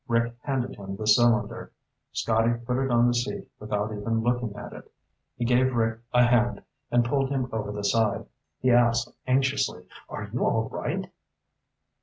Rick handed him the cylinder. Scotty put it on the seat without even looking at it. He gave Rick a hand and pulled him over the side. He asked anxiously, "Are you all right?"